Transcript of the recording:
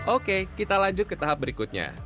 oke kita lanjut ke tahap berikutnya